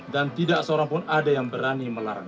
dan tidak seorang pun ada yang berani melarang